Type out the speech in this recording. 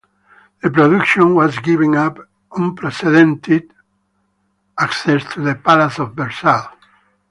The production was given unprecedented access to the Palace of Versailles.